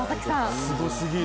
すごすぎる。